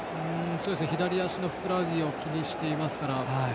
左足のふくらはぎを気にしていますから。